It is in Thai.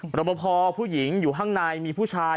ประพอผู้หญิงอยู่ข้างในมีผู้ชาย